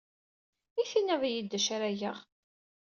I tinid-iyi-d d acu ara geɣ?